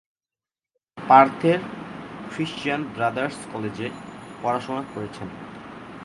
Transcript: পার্থের Christian Brothers কলেজে পড়াশোনা করেছেন।